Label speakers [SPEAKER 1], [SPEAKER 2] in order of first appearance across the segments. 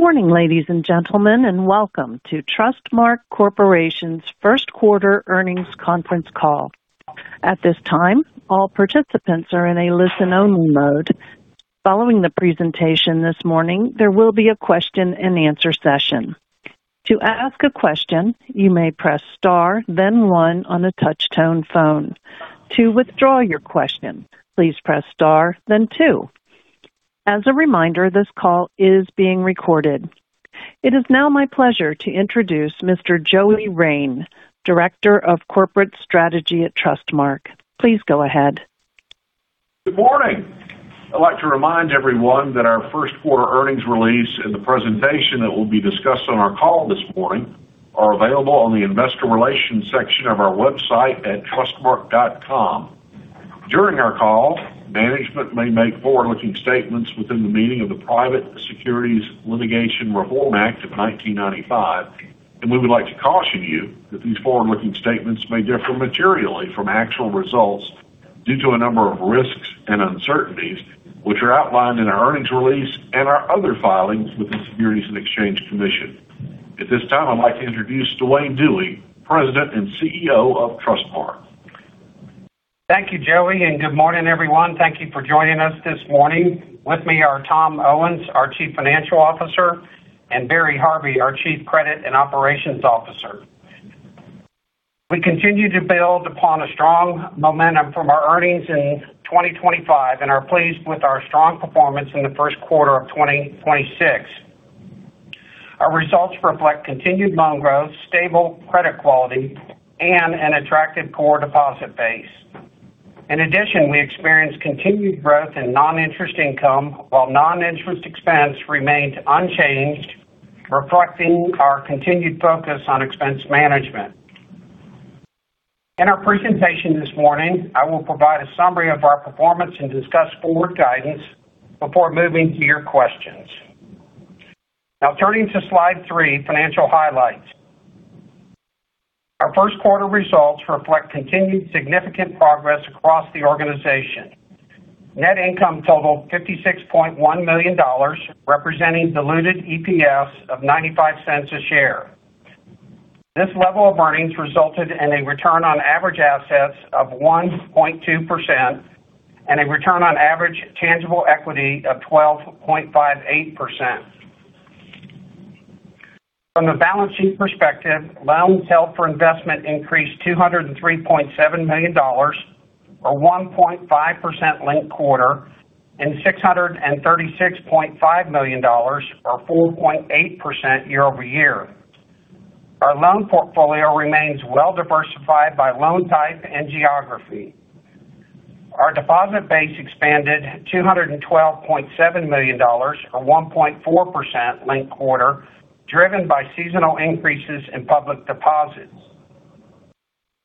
[SPEAKER 1] Good morning, ladies and gentlemen, and welcome to Trustmark Corporation's first quarter earnings conference call. At this time, all participants are in a listen-only mode following the presentation this morning. There will be a question-and-answer session, to ask a question you may press star then one on the touch tone phone. To withdraw your question please press star then two. As a reminder, this call is being recorded. It is now my pleasure to introduce Mr. Joey Rein, Director of Corporate Strategy at Trustmark. Please go ahead.
[SPEAKER 2] Good morning. I'd like to remind everyone that our first quarter earnings release and the presentation that will be discussed on our call this morning are available on the investor relations section of our website at trustmark.com. During our call, management may make forward-looking statements within the meaning of the Private Securities Litigation Reform Act of 1995. We would like to caution you that these forward-looking statements may differ materially from actual results due to a number of risks and uncertainties which are outlined in our earnings release and our other filings with the Securities and Exchange Commission. At this time, I'd like to introduce Duane Dewey, President and CEO of Trustmark.
[SPEAKER 3] Thank you, Joey, and good morning, everyone. Thank you for joining us this morning. With me are Tom Owens, our Chief Financial Officer, and Barry Harvey, our Chief Credit and Operations Officer. We continue to build upon a strong momentum from our earnings in 2025 and are pleased with our strong performance in the first quarter of 2026. Our results reflect continued loan growth, stable credit quality, and an attractive core deposit base. In addition, we experienced continued growth in non-interest income while non-interest expense remained unchanged, reflecting our continued focus on expense management. In our presentation this morning, I will provide a summary of our performance and discuss forward guidance before moving to your questions. Now, turning to slide three, Financial Highlights. Our first quarter results reflect continued significant progress across the organization. Net income totaled $56.1 million, representing diluted EPS of $0.95 a share. This level of earnings resulted in a Return on Average Assets of 1.2% and a Return on Average Tangible Equity of 12.58%. From the balance sheet perspective, Loans Held for Investment increased $203.7 million, or 1.5% linked-quarter, and $636.5 million, or 4.8% year-over-year. Our loan portfolio remains well-diversified by loan type and geography. Our deposit base expanded $212.7 million, or 1.4% linked-quarter, driven by seasonal increases in public deposits.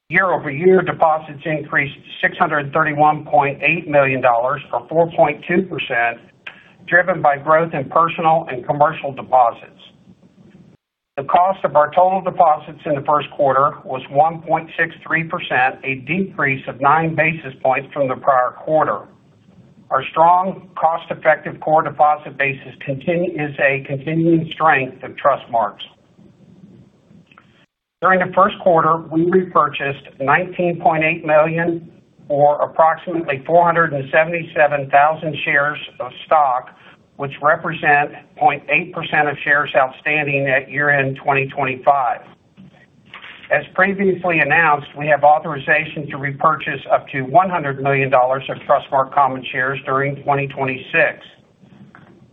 [SPEAKER 3] Year-over-year deposits increased $631.8 million, or 4.2%, driven by growth in personal and commercial deposits. The cost of our total deposits in the first quarter was 1.63%, a decrease of 9 basis points from the prior quarter. Our strong cost-effective core deposit base is a continuing strength of Trustmark's. During the first quarter, we repurchased $19.8 million, or approximately 477,000 shares of stock, which represent 0.8% of shares outstanding at year-end 2025. As previously announced, we have authorization to repurchase up to $100 million of Trustmark common shares during 2026.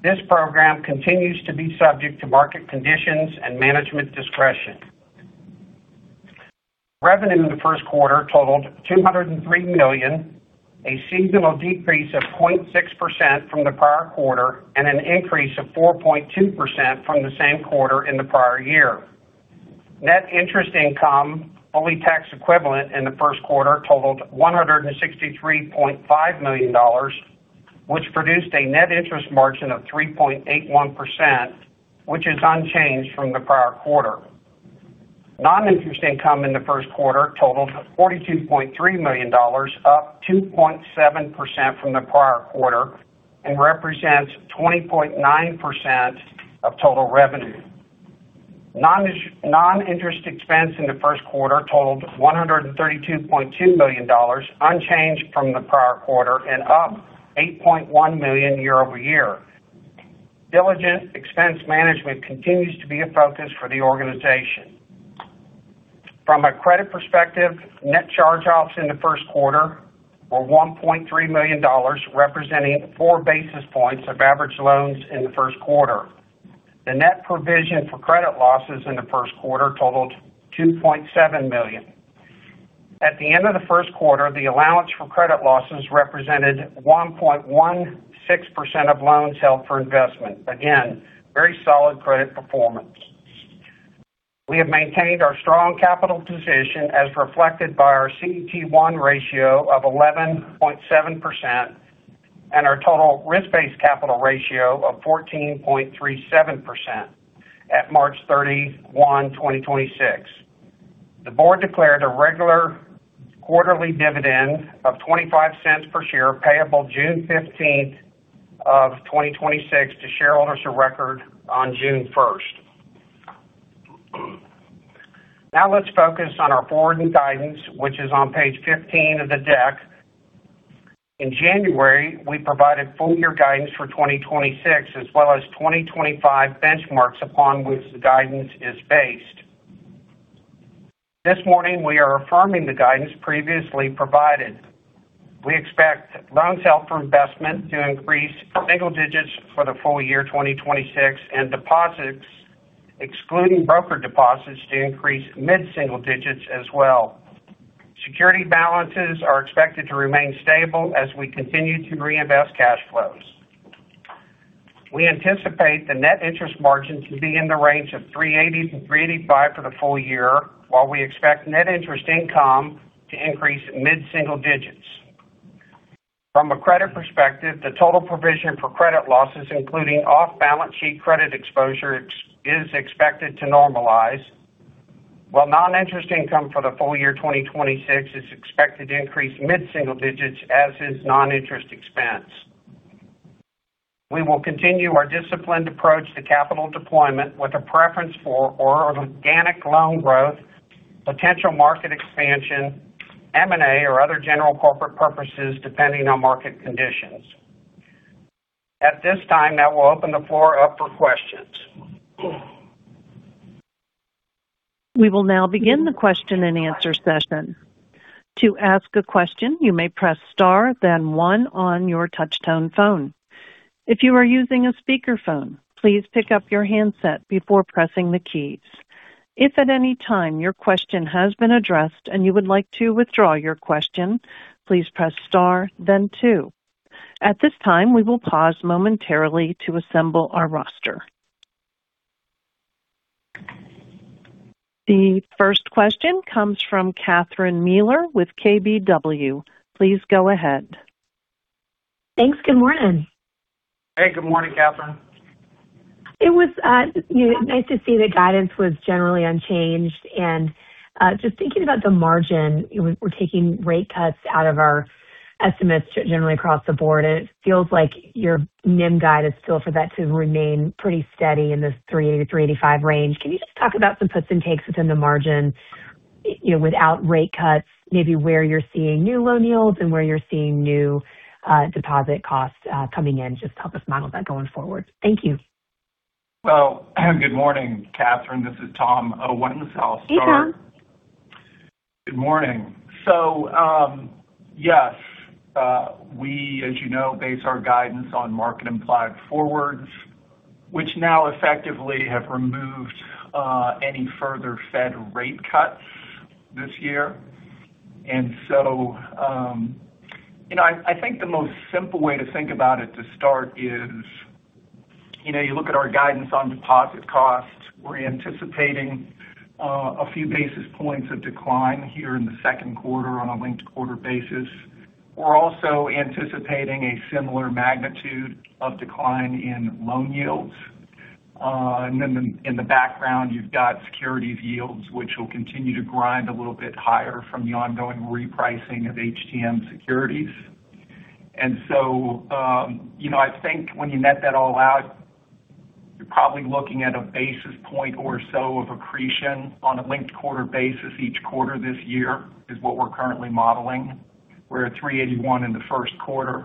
[SPEAKER 3] This program continues to be subject to market conditions and management discretion. Revenue in the first quarter totaled $203 million, a seasonal decrease of 0.6% from the prior quarter and an increase of 4.2% from the same quarter in the prior year. Net Interest Income, fully tax equivalent in the first quarter totaled $163.5 million, which produced a Net Interest Margin of 3.81%, which is unchanged from the prior quarter. Non-Interest Income in the first quarter totaled $42.3 million, up 2.7% from the prior quarter and represents 20.9% of total revenue. Non-Interest Expense in the first quarter totaled $132.2 million, unchanged from the prior quarter and up $8.1 million year-over-year. Diligent expense management continues to be a focus for the organization. From a credit perspective, Net Charge-Offs in the first quarter were $1.3 million, representing 4 basis points of average loans in the first quarter. The net provision for credit losses in the first quarter totaled $2.7 million. At the end of the first quarter, the allowance for credit losses represented 1.16% of loans held for investment. Again, very solid credit performance. We have maintained our strong capital position as reflected by our CET1 ratio of 11.7% and our total risk-based capital ratio of 14.37% at March 31, 2026. The board declared a regular quarterly dividend of $0.25 per share payable June 15th, 2026, to shareholders of record on June 1st. Now let's focus on our forward guidance, which is on page 15 of the deck. In January, we provided full year guidance for 2026 as well as 2025 benchmarks upon which the guidance is based. This morning, we are affirming the guidance previously provided. We expect Loans Held for Investment to increase single digits for the full year 2026 and deposits, excluding brokered deposits, to increase mid-single digits as well. Security balances are expected to remain stable as we continue to reinvest cash flows. We anticipate the Net Interest Margin to be in the range of 3.80%-3.85% for the full year, while we expect Net Interest Income to increase mid-single digits. From a credit perspective, the total provision for credit losses, including off-balance sheet credit exposure is expected to normalize, while non-interest income for the full year 2026 is expected to increase mid-single digits as is non-interest expense. We will continue our disciplined approach to capital deployment with a preference for organic loan growth, potential market expansion, M&A, or other general corporate purposes depending on market conditions. At this time, I will open the floor up for questions.
[SPEAKER 1] We will now begin the question-and-answer session. To ask a question, you may press star then one on you touchdown phone. If you are using a speakerphone, please pick up your headset before pressing the keys. If at any time your question has been addressed and you would like to withdraw your question, please press star then two. At this time we will pause momentarily to assemble our roster. The first question comes from Catherine Mealor with KBW. Please go ahead.
[SPEAKER 4] Thanks. Good morning.
[SPEAKER 5] Hey, good morning, Catherine.
[SPEAKER 4] It was, you know, nice to see the guidance was generally unchanged. Just thinking about the margin, we're taking rate cuts out of our estimates generally across the board. It feels like your NIM guide is still for that to remain pretty steady in this 3.80%-3.85% range. Can you just talk about some puts and takes within the margin, you know, without rate cuts, maybe where you're seeing new loan yields and where you're seeing new, deposit costs, coming in? Just help us model that going forward. Thank you.
[SPEAKER 5] Well, good morning, Catherine. This is Tom Owens. I'll start.
[SPEAKER 4] Hey, Tom.
[SPEAKER 5] Good morning. We, as you know, base our guidance on market implied forwards, which now effectively have removed any further Fed rate cuts this year. You know, I think the most simple way to think about it to start is, you know, you look at our guidance on deposit costs. We're anticipating a few basis points of decline here in the second quarter on a linked-quarter basis. We're also anticipating a similar magnitude of decline in loan yields. Then in the background, you've got securities yields, which will continue to grind a little bit higher from the ongoing repricing of HTM securities. You know, I think when you net that all out, you're probably looking at a basis point or so of accretion on a linked-quarter basis each quarter this year is what we're currently modeling. We're at 381 in the first quarter.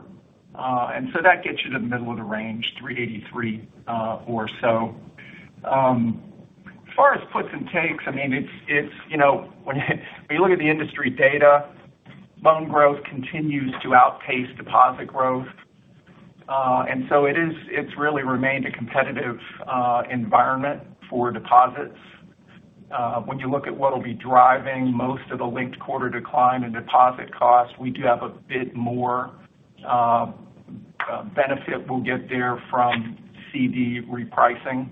[SPEAKER 5] That gets you to the middle of the range, 383 or so. As far as puts and takes, I mean, it's, you know, when you, when you look at the industry data, loan growth continues to outpace deposit growth. It's really remained a competitive environment for deposits. When you look at what'll be driving most of the linked quarter decline in deposit costs, we do have a bit more benefit we'll get there from CD repricing.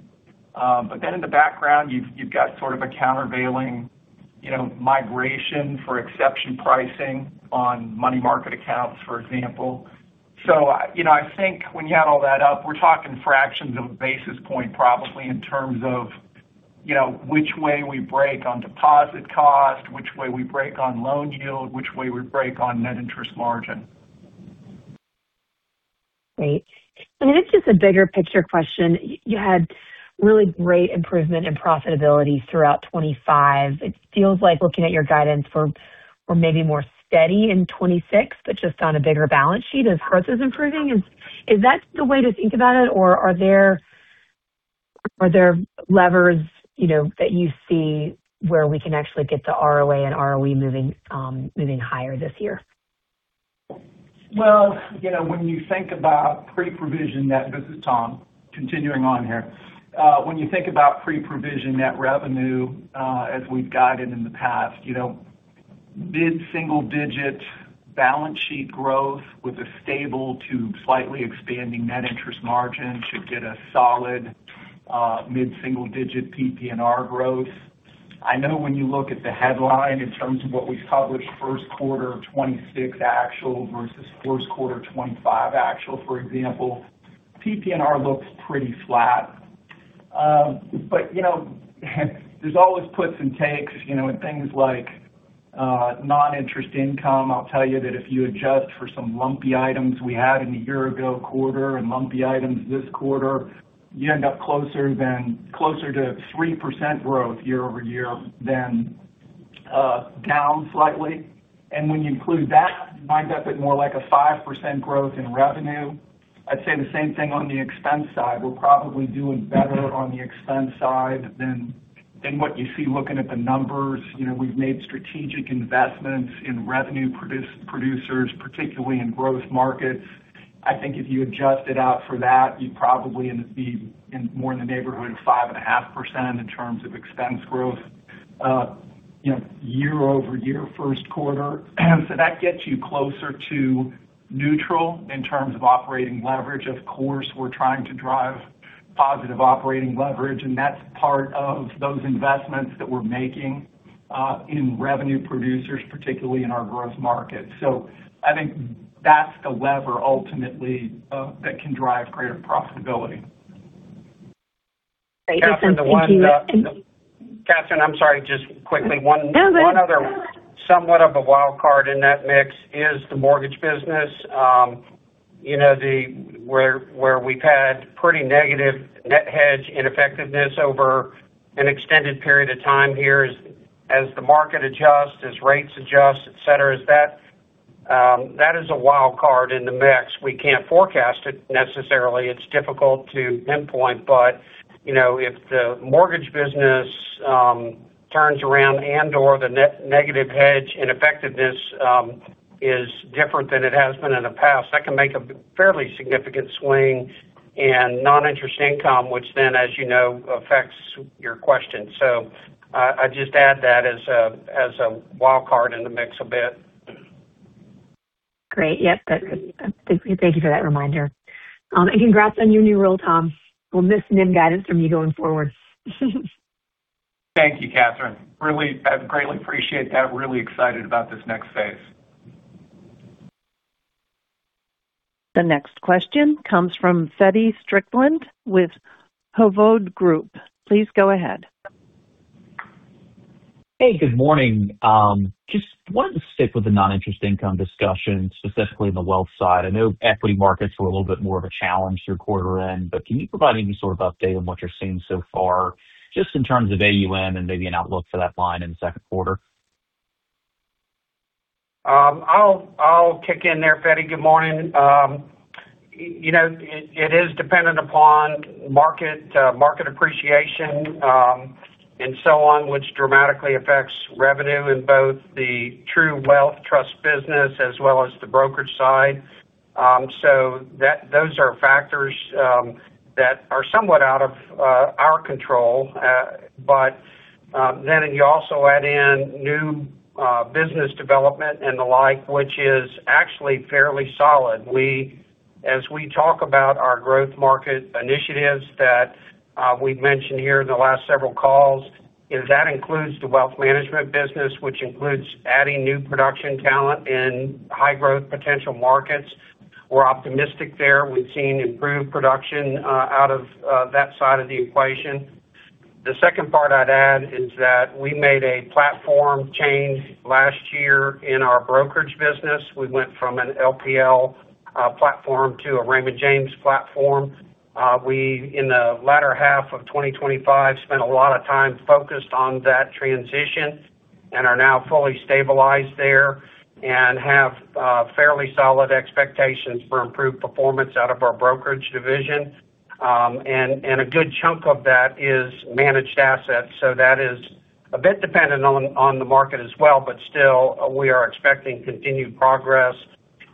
[SPEAKER 5] In the background, you've got sort of a countervailing, you know, migration for exception pricing on money market accounts, for example. I think when you add all that up, we're talking fractions of a basis point probably in terms of, you know, which way we break on deposit cost, which way we break on loan yield, which way we break on net interest margin.
[SPEAKER 4] Great. It's just a bigger picture question. You had really great improvement in profitability throughout 2025. It feels like looking at your guidance for maybe more steady in 2026, just on a bigger balance sheet as growth is improving. Is that the way to think about it? Are there levers, you know, that you see where we can actually get the ROA and ROE moving higher this year?
[SPEAKER 5] This is Tom continuing on here. When you think about pre-provision net revenue, as we've guided in the past, you know, mid-single-digit balance sheet growth with a stable to slightly expanding net interest margin should get a solid, mid-single-digit PPNR growth. I know when you look at the headline in terms of what we published first quarter 2026 actual versus first quarter 2025 actual, for example, PPNR looks pretty flat. You know, there's always puts and takes, you know, in things like non-interest income. I'll tell you that if you adjust for some lumpy items we had in the year-ago quarter and lumpy items this quarter, you end up closer to 3% growth year-over-year than down slightly. When you include that, winds up at more like a 5% growth in revenue. I'd say the same thing on the expense side. We're probably doing better on the expense side than what you see looking at the numbers. You know, we've made strategic investments in revenue producers, particularly in growth markets. I think if you adjust it out for that, you'd probably be in more in the neighborhood of 5.5% in terms of expense growth, you know, year-over-year first quarter. That gets you closer to neutral in terms of operating leverage. Of course, we're trying to drive positive operating leverage, and that's part of those investments that we're making in revenue producers, particularly in our growth market. I think that's the lever ultimately that can drive greater profitability.
[SPEAKER 4] Thank you so much.
[SPEAKER 3] Catherine, I'm sorry. Just quickly.
[SPEAKER 4] No, go ahead.
[SPEAKER 3] One other somewhat of a wildcard in that mix is the mortgage business. You know, where we've had pretty negative net hedge ineffectiveness over an extended period of time here. As the market adjusts, as rates adjust, et cetera, is that is a wildcard in the mix. We can't forecast it necessarily. It's difficult to pinpoint. You know, if the mortgage business turns around and/or the negative hedge ineffectiveness is different than it has been in the past, that can make a fairly significant swing in non-interest income, which then, as you know, affects your question. I just add that as a wildcard in the mix a bit.
[SPEAKER 4] Great. Yep. That's. Thank you for that reminder. Congrats on your new role, Tom. We'll miss NIM guidance from you going forward.
[SPEAKER 5] Thank you, Catherine. Really, I greatly appreciate that. Really excited about this next phase.
[SPEAKER 1] The next question comes from Feddie Strickland with Hovde Group. Please go ahead.
[SPEAKER 6] Hey, good morning. Just wanted to stick with the non-interest income discussion, specifically in the wealth side. I know equity markets were a little bit more of a challenge through quarter end, but can you provide any sort of update on what you're seeing so far, just in terms of AUM and maybe an outlook for that line in the second quarter?
[SPEAKER 3] I'll kick in there, Feddie. Good morning. You know, it is dependent upon market appreciation, and so on, which dramatically affects revenue in both the true wealth trust business as well as the brokerage side. Those are factors that are somewhat out of our control. Then you also add in new business development and the like, which is actually fairly solid. As we talk about our growth market initiatives that we've mentioned here in the last several calls, is that includes the wealth management business, which includes adding new production talent in high-growth potential markets. We're optimistic there. We've seen improved production out of that side of the equation. The second part I'd add is that we made a platform change last year in our brokerage business. We went from an LPL platform to a Raymond James platform. We in the latter half of 2025 spent a lot of time focused on that transition and are now fully stabilized there and have fairly solid expectations for improved performance out of our brokerage division. A good chunk of that is managed assets. That is a bit dependent on the market as well, but still we are expecting continued progress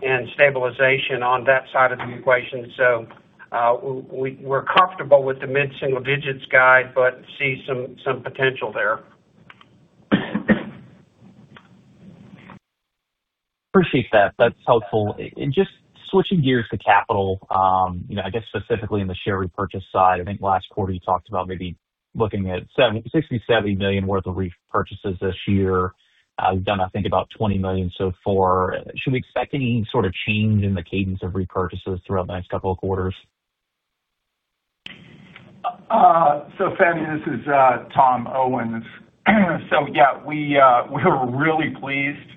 [SPEAKER 3] and stabilization on that side of the equation. We're comfortable with the mid-single digits guide but see some potential there.
[SPEAKER 6] Appreciate that. That's helpful. Just switching gears to capital, you know, I guess specifically in the share repurchase side. I think last quarter you talked about maybe looking at $70 million worth of repurchases this year. We've done I think about $20 million so far. Should we expect any sort of change in the cadence of repurchases throughout the next couple of quarters?
[SPEAKER 5] So Feddie, this is Tom Owens. Yeah, we're really pleased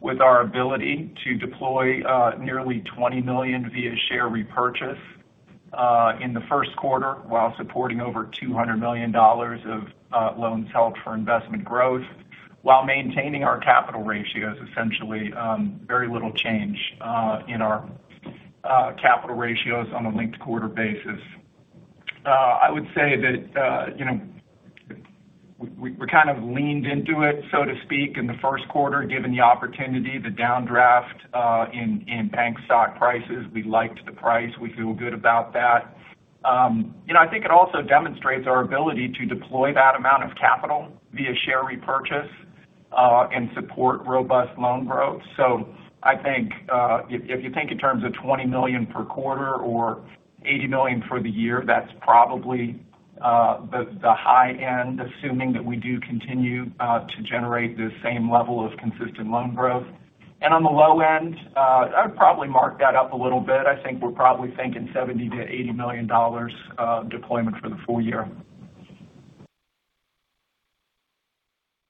[SPEAKER 5] with our ability to deploy nearly $20 million via share repurchase in the first quarter while supporting over $200 million of Loans Held for Investment growth while maintaining our capital ratios essentially, very little change in our capital ratios on a linked quarter basis. I would say that, you know, we kind of leaned into it, so to speak, in the first quarter, given the opportunity, the downdraft in bank stock prices. We liked the price. We feel good about that. You know, I think it also demonstrates our ability to deploy that amount of capital via share repurchase and support robust loan growth. I think, if you think in terms of $20 million per quarter or $80 million for the year, that's probably the high end, assuming that we do continue to generate the same level of consistent loan growth.
[SPEAKER 3] On the low end, I'd probably mark that up a little bit. I think we're probably thinking $70 million-$80 million deployment for the full year.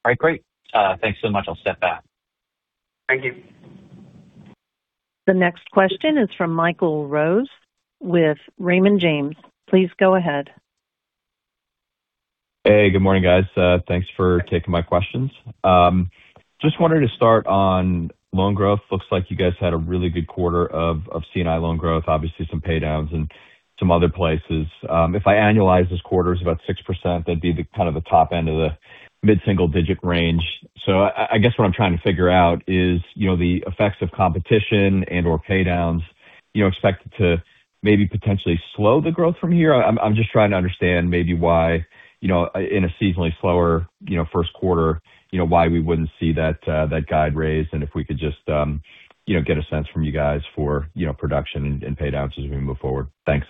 [SPEAKER 6] All right, great. Thanks so much. I'll step back.
[SPEAKER 3] Thank you.
[SPEAKER 1] The next question is from Michael Rose with Raymond James. Please go ahead.
[SPEAKER 7] Hey, good morning, guys. Thanks for taking my questions. Just wanted to start on loan growth. Looks like you guys had a really good quarter of C&I loan growth, obviously some pay downs in some other places. If I annualize this quarter, it's about 6%, that'd be the kind of the top end of the mid-single digit range. I guess what I'm trying to figure out is, you know, the effects of competition and/or pay downs, you know, expected to maybe potentially slow the growth from here. I'm just trying to understand maybe why, you know, in a seasonally slower, you know, first quarter, you know, why we wouldn't see that guide raised, and if we could just, you know, get a sense from you guys for, you know, production and pay downs as we move forward. Thanks.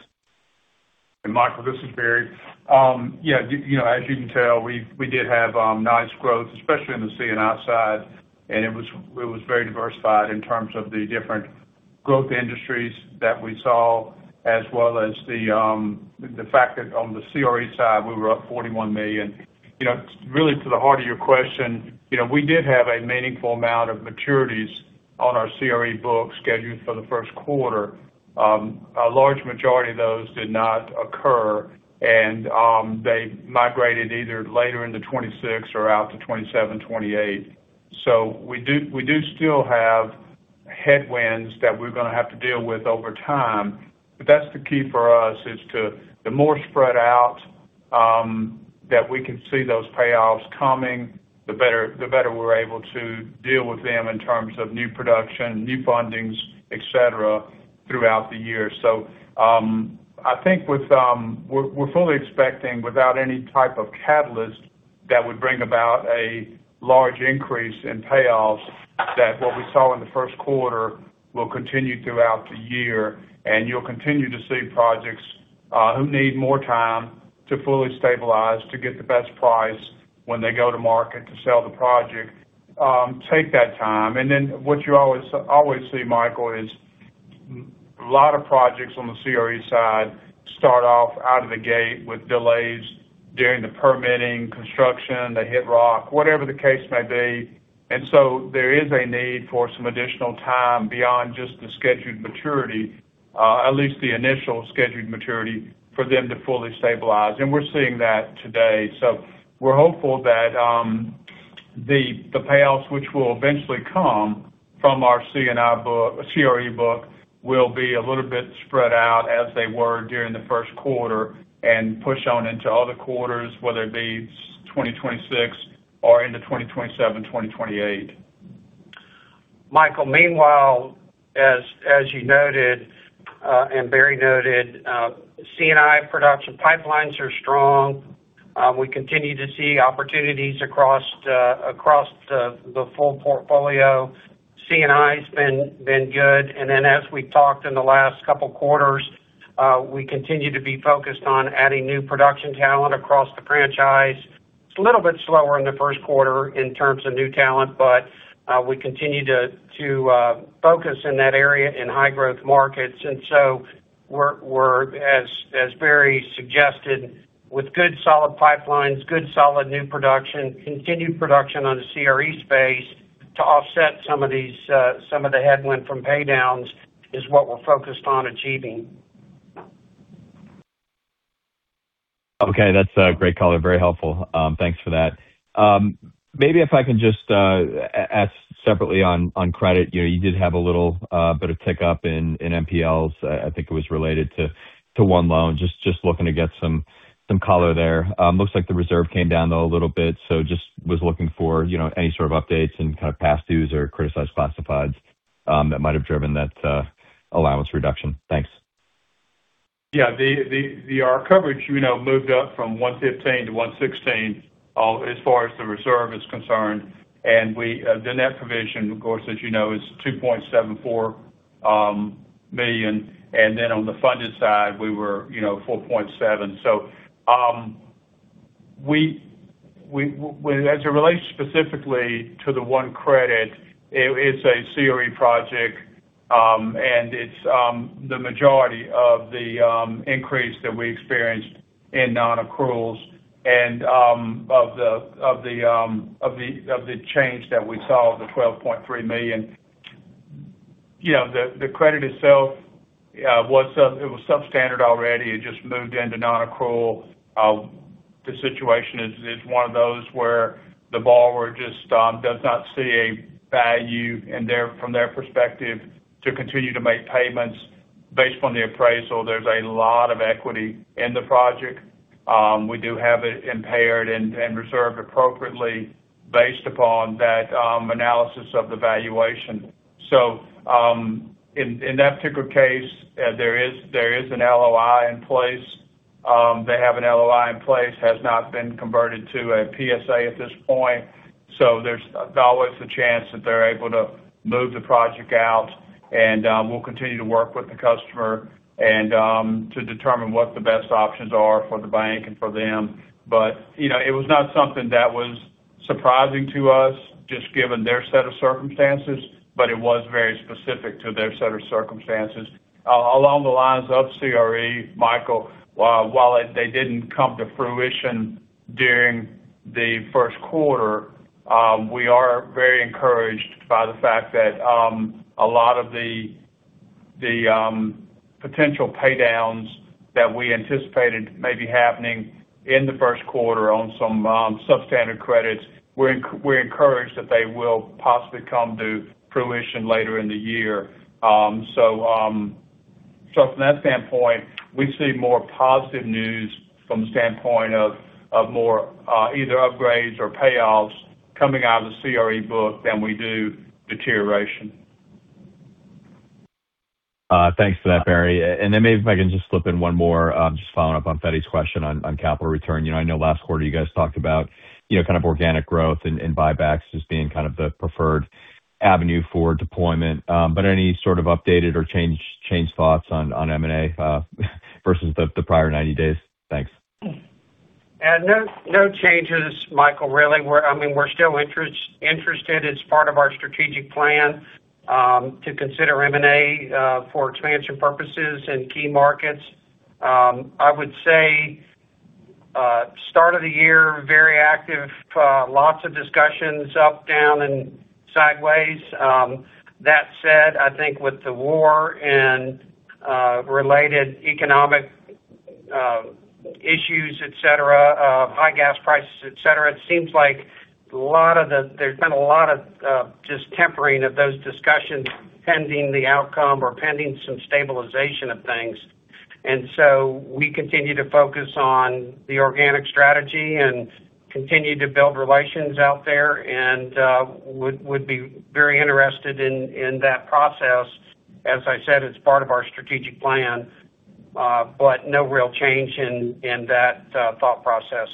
[SPEAKER 8] Michael, this is Barry. You know, as you can tell, we did have nice growth, especially in the C&I side, and it was very diversified in terms of the different growth industries that we saw, as well as the fact that on the CRE side, we were up $41 million. You know, really to the heart of your question, you know, we did have a meaningful amount of maturities on our CRE book scheduled for the first quarter. A large majority of those did not occur, and they migrated either later into 2026 or out to 2027, 2028. We do still have headwinds that we're gonna have to deal with over time. That's the key for us, is to the more spread out that we can see those payoffs coming, the better we're able to deal with them in terms of new production, new fundings, et cetera, throughout the year. I think with, we're fully expecting without any type of catalyst that would bring about a large increase in payoffs, that what we saw in the first quarter will continue throughout the year. You'll continue to see projects who need more time to fully stabilize to get the best price when they go to market to sell the project, take that time. Then what you always see, Michael, is a lot of projects on the CRE side start off out of the gate with delays during the permitting construction, they hit rock, whatever the case may be. There is a need for some additional time beyond just the scheduled maturity, at least the initial scheduled maturity for them to fully stabilize. We're seeing that today. We're hopeful that the payoffs which will eventually come from our CRE book will be a little bit spread out as they were during the first quarter and push on into other quarters, whether it be 2026 or into 2027, 2028.
[SPEAKER 3] Michael, meanwhile, as you noted, Barry noted, C&I production pipelines are strong. We continue to see opportunities across the full portfolio. C&I's been good. As we talked in the last couple quarters, we continue to be focused on adding new production talent across the franchise. It's a little bit slower in the first quarter in terms of new talent, but we continue to focus in that area in high growth markets. We're as Barry suggested, with good solid pipelines, good solid new production, continued production on the CRE space to offset some of the headwind from pay downs is what we're focused on achieving.
[SPEAKER 7] Okay, that's a great color. Very helpful. Thanks for that. Maybe if I can just ask separately on credit. You know, you did have a little bit of tick up in NPLs. I think it was related to one loan. Just looking to get some color there. Looks like the reserve came down, though, a little bit, so just was looking for, you know, any sort of updates and kind of past dues or criticized classifieds that might have driven that allowance reduction. Thanks.
[SPEAKER 8] Our coverage, you know, moved up from 1.15 to 1.16 as far as the reserve is concerned. The net provision, of course, as you know, is $2.74 million. On the funded side, we were, you know, $4.7 million. As it relates specifically to the one credit, it's a CRE project, and it's the majority of the increase that we experienced in non-accruals and of the change that we saw, the $12.3 million. You know, the credit itself was substandard already. It just moved into non-accrual. The situation is one of those where the borrower just does not see a value from their perspective to continue to make payments based on the appraisal. There's a lot of equity in the project. We do have it impaired and reserved appropriately based upon that analysis of the valuation. In that particular case, there is an LOI in place. They have an LOI in place, has not been converted to a PSA at this point, there's always a chance that they're able to move the project out. We'll continue to work with the customer and to determine what the best options are for the bank and for them. You know, it was not something that was surprising to us, just given their set of circumstances, but it was very specific to their set of circumstances. Along the lines of CRE, Michael Rose, while they didn't come to fruition during the first quarter, we are very encouraged by the fact that a lot of the potential pay downs that we anticipated may be happening in the first quarter on some substandard credits. We're encouraged that they will possibly come to fruition later in the year. From that standpoint, we see more positive news from the standpoint of more either upgrades or payoffs coming out of the CRE book than we do deterioration.
[SPEAKER 7] Thanks for that, Barry. Maybe if I can just slip in one more, just following up on Feddie's question on capital return. You know, I know last quarter you guys talked about, you know, kind of organic growth and buybacks as being kind of the preferred avenue for deployment. Any sort of updated or changed thoughts on M&A versus the prior 90 days? Thanks.
[SPEAKER 3] No, no changes, Michael, really. I mean, we're still interested as part of our strategic plan, to consider M&A for expansion purposes in key markets. I would say, start of the year, very active, lots of discussions up, down, and sideways. That said, I think with the war and related economic issues, et cetera, high gas prices, et cetera, it seems like there's been a lot of just tempering of those discussions pending the outcome or pending some stabilization of things. We continue to focus on the organic strategy and continue to build relations out there and would be very interested in that process. As I said, it's part of our strategic plan, but no real change in that thought process.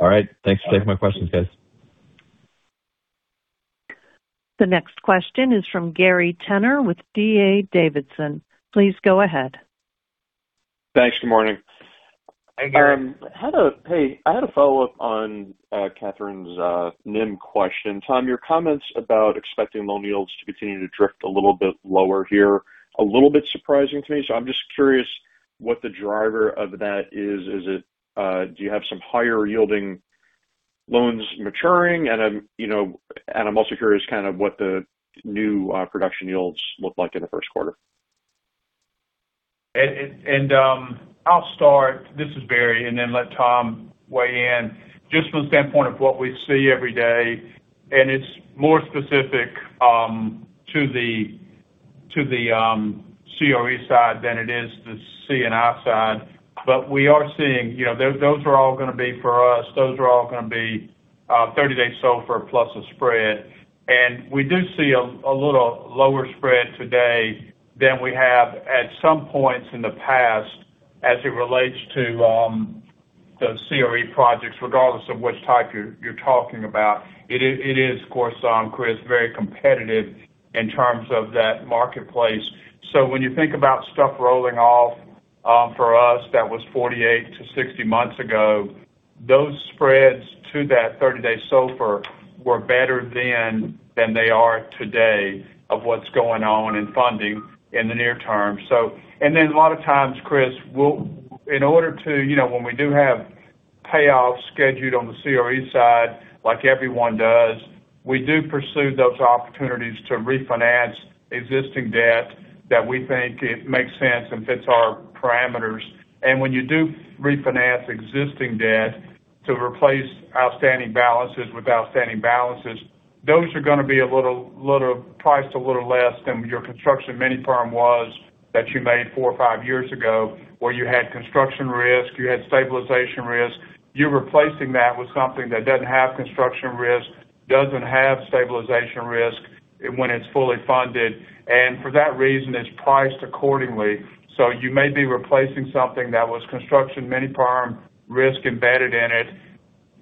[SPEAKER 7] All right. Thanks. Those are my questions, guys.
[SPEAKER 1] The next question is from Gary Tenner with D.A. Davidson. Please go ahead.
[SPEAKER 9] Thanks. Good morning.
[SPEAKER 3] Hi, Gary.
[SPEAKER 9] Hey, I had a follow-up on Catherine's NIM question. Tom, your comments about expecting loan yields to continue to drift a little bit lower here, a little bit surprising to me. I'm just curious what the driver of that is. Is it, do you have some higher yielding loans maturing? I'm, you know, I'm also curious kind of what the new production yields look like in the first quarter.
[SPEAKER 8] I'll start, this is Barry, and then let Tom weigh in. Just from the standpoint of what we see every day, and it's more specific to the CRE side than it is the C&I side. We are seeing, you know, those are all gonna be for us. Those are all gonna be 30-day SOFR plus a spread. We do see a little lower spread today than we have at some points in the past as it relates to the CRE projects, regardless of which type you're talking about. It is, of course, Chris, very competitive in terms of that marketplace. When you think about stuff rolling off, for us, that was 48-60 months ago, those spreads to that 30-day SOFR were better then than they are today of what's going on in funding in the near term. Then a lot of times, Chris, in order to, you know, when we do have payoffs scheduled on the CRE side, like everyone does, we do pursue those opportunities to refinance existing debt that we think it makes sense and fits our parameters. When you do refinance existing debt to replace outstanding balances with outstanding balances, those are gonna be a little priced a little less than your construction mini-perm was that you made four or five years ago, where you had construction risk, you had stabilization risk. You're replacing that with something that doesn't have construction risk, doesn't have stabilization risk when it's fully funded. For that reason, it's priced accordingly. You may be replacing something that was construction mini-perm risk embedded in it.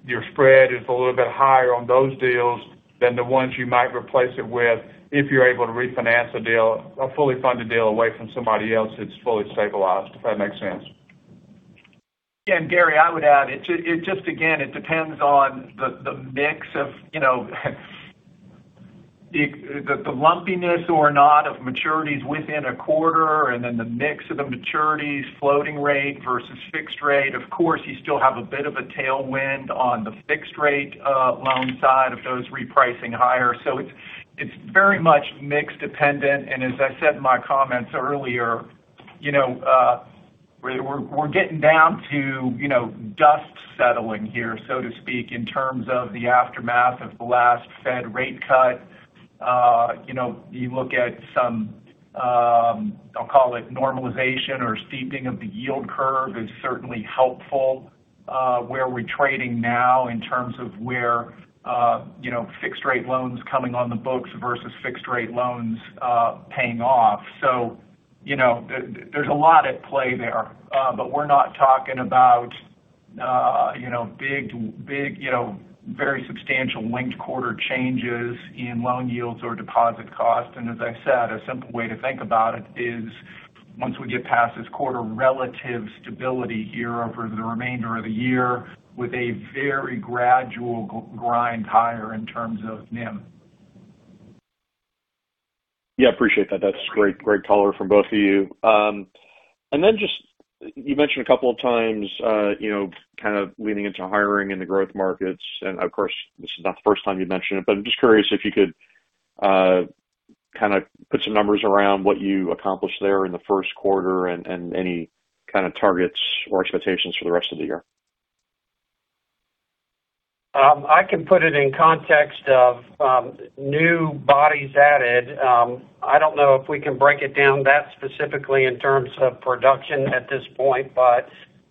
[SPEAKER 8] Your spread is a little bit higher on those deals than the ones you might replace it with if you're able to refinance a deal, a fully funded deal away from somebody else that's fully stabilized, if that makes sense.
[SPEAKER 5] Yeah, Gary, I would add, it just again, it depends on the mix of, you know, the lumpiness or not of maturities within a quarter and then the mix of the maturities, floating rate versus fixed rate. Of course, you still have a bit of a tailwind on the fixed rate loan side of those repricing higher. It's very much mix dependent. As I said in my comments earlier, you know, we're getting down to, you know, dust settling here, so to speak, in terms of the aftermath of the last Fed rate cut. You know, you look at some, I'll call it normalization or steeping of the yield curve is certainly helpful, where we're trading now in terms of where, you know, fixed rate loans coming on the books versus fixed rate loans, paying off. You know, there's a lot at play there. We're not talking about, you know, big, you know, very substantial linked quarter changes in loan yields or deposit cost. As I said, a simple way to think about it is. Once we get past this quarter, relative stability here over the remainder of the year with a very gradual grind higher in terms of NIM.
[SPEAKER 9] Yeah, appreciate that. That's great color from both of you. Then just you mentioned a couple of times, you know, kind of leaning into hiring in the growth markets. Of course, this is not the first time you've mentioned it, but I'm just curious if you could kind of put some numbers around what you accomplished there in the first quarter, and any kind of targets or expectations for the rest of the year.
[SPEAKER 3] I can put it in context of new bodies added. I don't know if we can break it down that specifically in terms of production at this point, but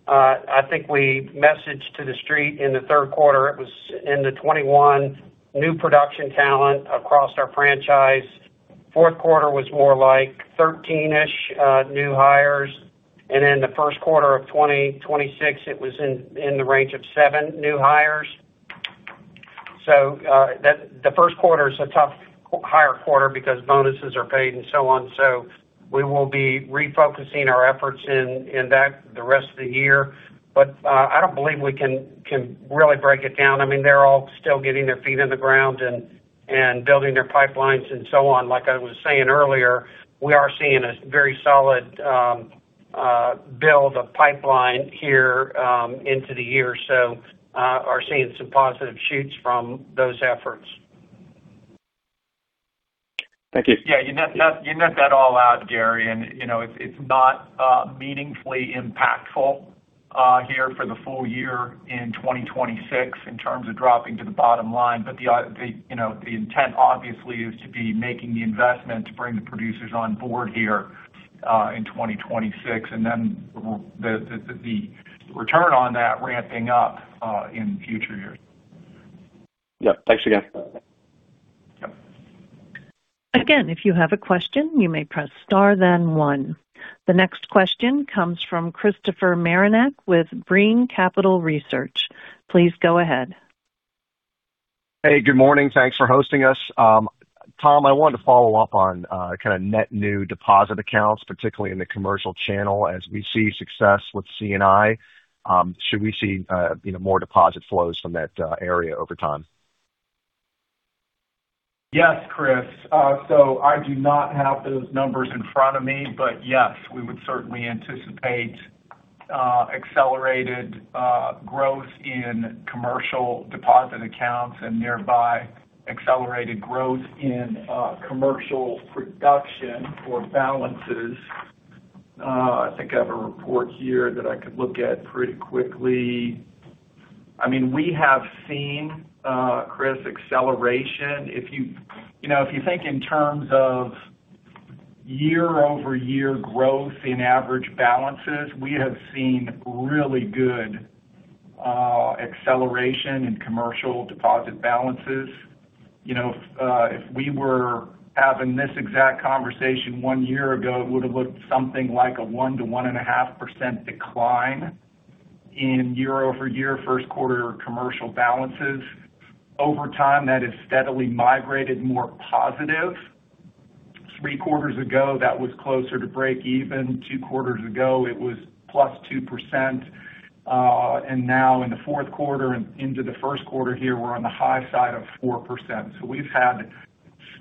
[SPEAKER 3] I think we messaged to the street in the third quarter it was in the 21 new production talent across our franchise. Fourth quarter was more like 13-ish new hires. The first quarter of 2026, it was in the range of seven new hires. The first quarter is a tough hire quarter because bonuses are paid and so on. We will be refocusing our efforts in that the rest of the year. I don't believe we can really break it down. I mean, they're all still getting their feet in the ground and building their pipelines and so on. Like I was saying earlier, we are seeing a very solid build of pipeline here into the year. We are seeing some positive shoots from those efforts.
[SPEAKER 9] Thank you.
[SPEAKER 5] Yeah, you net that all out, Gary. You know, it's not meaningfully impactful here for the full year in 2026 in terms of dropping to the bottom line. The, you know, the intent obviously is to be making the investment to bring the producers on board here in 2026 and then the return on that ramping up in future years.
[SPEAKER 9] Yeah. Thanks again.
[SPEAKER 5] Yep.
[SPEAKER 1] Again, if you have a question, you may press star then one. The next question comes from Christopher Marinac with Brean Capital Research. Please go ahead.
[SPEAKER 10] Hey, good morning. Thanks for hosting us. Tom, I wanted to follow up on, kind of net new deposit accounts, particularly in the commercial channel as we see success with C&I. Should we see, you know, more deposit flows from that area over time?
[SPEAKER 5] Yes, Chris. I do not have those numbers in front of me, but yes, we would certainly anticipate accelerated growth in commercial deposit accounts and nearby accelerated growth in commercial production for balances. I think I have a report here that I could look at pretty quickly. I mean, we have seen, Chris, acceleration. You know, if you think in terms of year-over-year growth in average balances, we have seen really good acceleration in commercial deposit balances. You know, if we were having this exact conversation one year ago, it would've looked something like a 1%-1.5% decline in year-over-year first quarter commercial balances. Over time, that has steadily migrated more positive. Three quarters ago, that was closer to break even. Two quarters ago it was +2%. Now in the fourth quarter and into the first quarter here, we're on the high side of 4%. We've had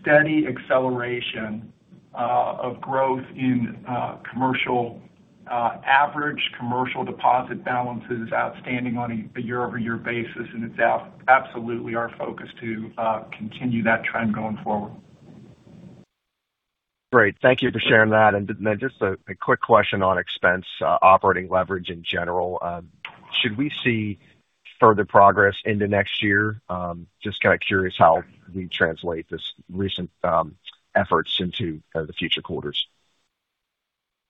[SPEAKER 5] steady acceleration of growth in commercial average commercial deposit balances outstanding on a year-over-year basis. It's absolutely our focus to continue that trend going forward.
[SPEAKER 10] Great. Thank you for sharing that. Then just a quick question on expense, operating leverage in general. Should we see further progress into next year? Just kind of curious how we translate this recent efforts into the future quarters.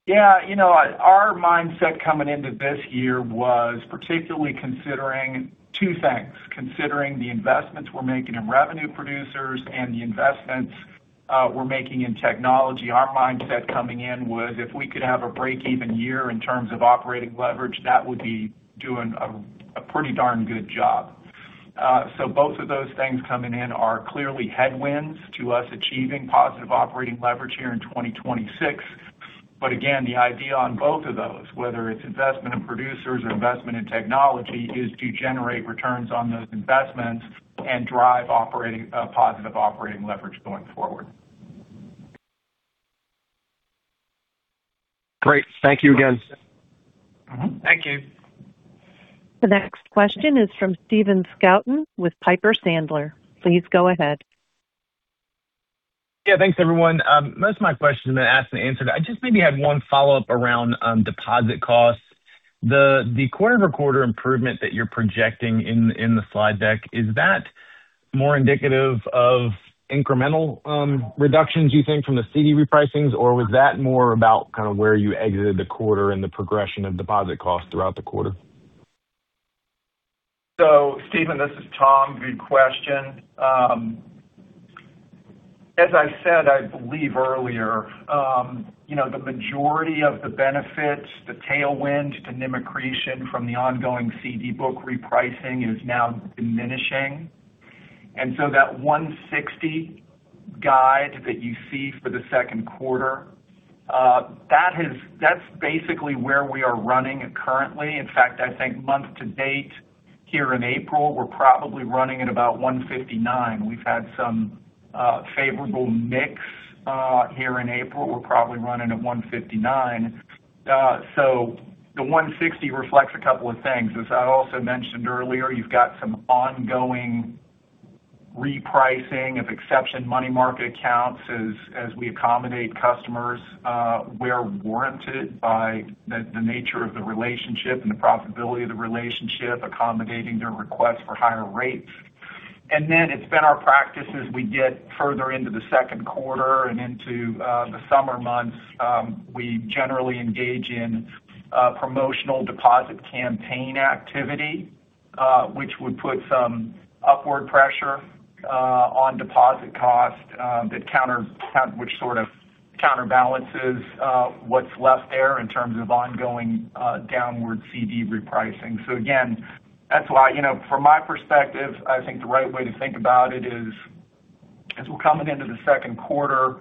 [SPEAKER 5] You know, our mindset coming into this year was particularly considering two things. Considering the investments we're making in revenue producers and the investments we're making in technology. Our mindset coming in was if we could have a break-even year in terms of operating leverage, that would be doing a pretty darn good job. Both of those things coming in are clearly headwinds to us achieving positive operating leverage here in 2026. Again, the idea on both of those, whether it's investment in producers or investment in technology, is to generate returns on those investments and drive a positive operating leverage going forward.
[SPEAKER 10] Great. Thank you again.
[SPEAKER 5] Thank you.
[SPEAKER 1] The next question is from Stephen Scouten with Piper Sandler. Please go ahead.
[SPEAKER 11] Yeah, thanks, everyone. Most of my questions have been asked and answered. I just maybe had one follow-up around deposit costs. The quarter-over-quarter improvement that you're projecting in the slide deck, is that more indicative of incremental reductions, you think, from the CD repricings? Or was that more about kind of where you exited the quarter and the progression of deposit costs throughout the quarter?
[SPEAKER 5] Stephen, this is Tom. Good question. As I said, I believe earlier, you know, the majority of the benefits, the tailwind to NIM accretion from the ongoing CD book repricing is now diminishing. That 160 guide that you see for the second quarter, that's basically where we are running currently. In fact, I think month to date here in April, we're probably running at about 159. We've had some favorable mix here in April. We're probably running at 159. The 160 reflects a couple of things. As I also mentioned earlier, you've got some ongoing repricing of exception money market accounts as we accommodate customers, where warranted by the nature of the relationship and the profitability of the relationship, accommodating their request for higher rates. It's been our practice as we get further into the second quarter and into the summer months, we generally engage in promotional deposit campaign activity, which would put some upward pressure on deposit cost, which sort of counterbalances what's left there in terms of ongoing downward CD repricing. Again, that's why, you know, from my perspective, I think the right way to think about it is, as we're coming into the second quarter,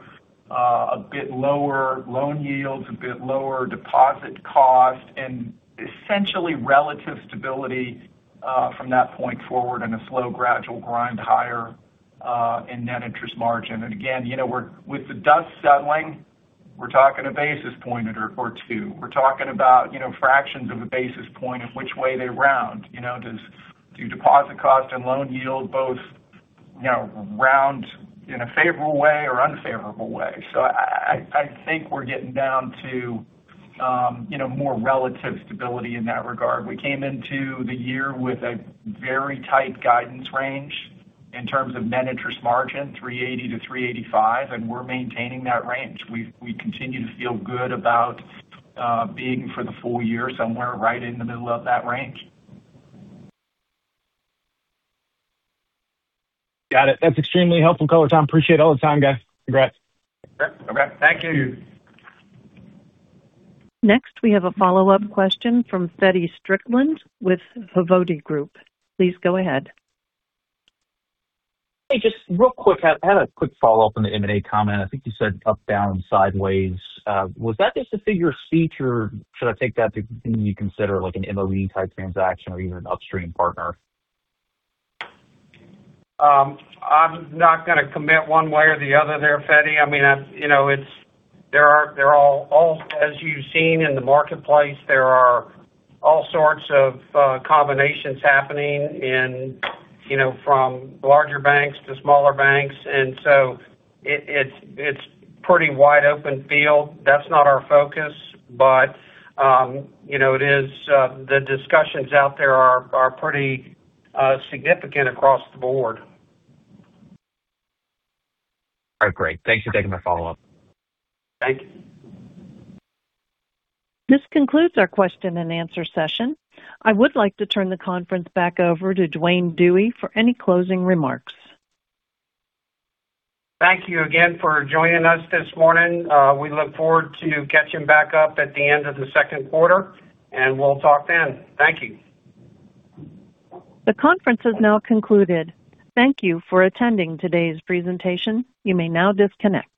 [SPEAKER 5] a bit lower loan yields, a bit lower deposit cost, and essentially relative stability from that point forward and a slow gradual grind higher in net interest margin. Again, you know, with the dust settling, we're talking a basis point or two. We're talking about, you know, fractions of a basis point of which way they round. You know, does do deposit cost and loan yield both, you know, round in a favorable way or unfavorable way? I, I think we're getting down to, you know, more relative stability in that regard. We came into the year with a very tight guidance range in terms of Net Interest Margin, 3.80%-3.85%, and we're maintaining that range. We continue to feel good about being for the full year somewhere right in the middle of that range.
[SPEAKER 11] Got it. That's extremely helpful color, Tom. Appreciate all the time, guys. Congrats.
[SPEAKER 5] Okay. Thank you.
[SPEAKER 1] Next, we have a follow-up question from Feddie Strickland with Hovde Group. Please go ahead.
[SPEAKER 6] Hey, just real quick, I have a quick follow-up on the M&A comment. I think you said up, down, sideways. Was that just a figure of speech or should I take that to continue to consider like an MOE type transaction or even an upstream partner?
[SPEAKER 3] I'm not gonna commit one way or the other there, Feddie. I mean, that's, you know, they're all As you've seen in the marketplace, there are all sorts of combinations happening and, you know, from larger banks to smaller banks. It's pretty wide open field. That's not our focus, but, you know, it is, the discussions out there are pretty significant across the board.
[SPEAKER 6] Oh, great. Thanks for taking my follow-up.
[SPEAKER 5] Thank you.
[SPEAKER 1] This concludes our question and answer session. I would like to turn the conference back over to Duane Dewey for any closing remarks.
[SPEAKER 3] Thank you again for joining us this morning. We look forward to catching back up at the end of the second quarter, and we'll talk then. Thank you.
[SPEAKER 1] The conference has now concluded. Thank you for attending today's presentation. You may now disconnect.